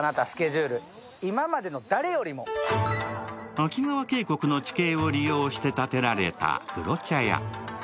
秋川渓谷の地形を利用して建てられた黒茶屋。